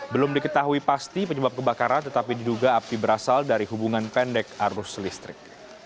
belum diketahui pasti penyebab kebakaran tetapi diduga api berasal dari hubungan pendek arus listrik